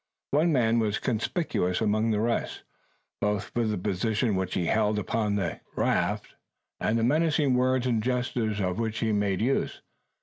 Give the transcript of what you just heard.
One man was conspicuous among the rest both for the position which he held upon the raft and the menacing words and gestures of which he made use.